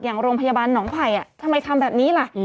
อย่างโรงพยาบาลหนองไผ่ทำไมทำแบบนี้ล่ะ